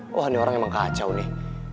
wah ini orang emang kacau nih